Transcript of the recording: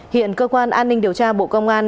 hiện cơ quan an ninh điều tra bộ công an